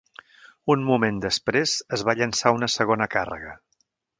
Un moment després, es va llençar una segona càrrega.